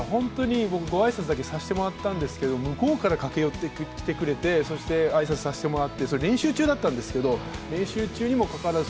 ご挨拶させていただいたんですけど、向こうから駆け寄ってきてくれて挨拶してもらって、練習中だったんですけど、練習中にもかかわらず